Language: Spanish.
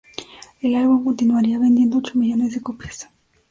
El álbum continuaría vendiendo ocho millones de copias.